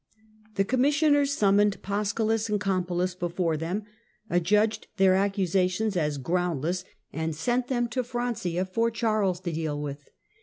The com CAROLUS IMPERATOR 175 missioners summoned Paschalis and Canipulus before them, adjudged their accusations as groundless, and sent them to Francia for Charles to deal with.